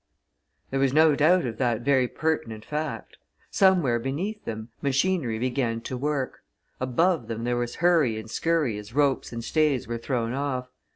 There was no doubt of that very pertinent fact. Somewhere beneath them, machinery began to work; above them there was hurry and scurry as ropes and stays were thrown off.